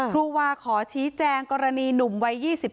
ครูวาขอชี้แจงกรณีหนุ่มวัย๒๙